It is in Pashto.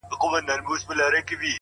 o هغه شپه مي ټوله سندريزه وه؛